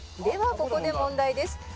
「ではここで問題です」